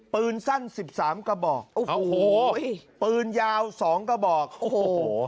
ปืนสั้นสิบสามกระบอกโอ้โหปืนยาวสองกระบอกโอ้โห